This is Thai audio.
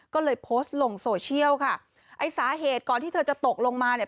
ก็เลยโพสต์ลงโซเชียลค่ะไอ้สาเหตุก่อนที่เธอจะตกลงมาเนี่ย